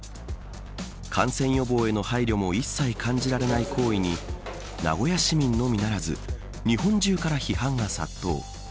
感染予防への配慮も一切感じられない行為に名古屋市民のみならず日本中から批判が殺到。